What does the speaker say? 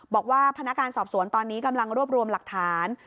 บอกว่าพนักงานสอบสวนตอนนี้กำลังรวบรวมหลักฐาน